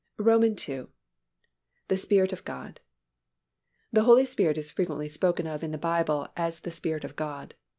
II. The Spirit of God. The Holy Spirit is frequently spoken of in the Bible as the Spirit of God.